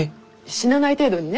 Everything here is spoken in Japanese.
死なない程度にね。